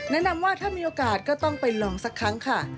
แนะนำว่าถ้ามีโอกาสก็ต้องไปลองสักครั้งค่ะ